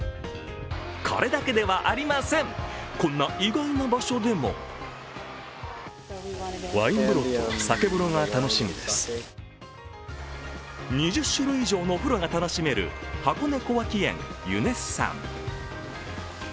これだけではありません、こんな意外な場所でも２０種類以上のお風呂が楽しめる箱根小涌園ユネッサン。